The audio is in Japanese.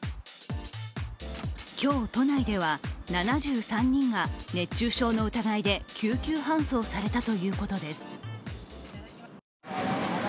今日、都内では７３人が熱中症の疑いで救急搬送されたということです。